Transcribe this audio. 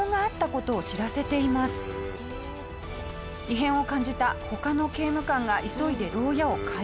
異変を感じた他の刑務官が急いで牢屋を解錠。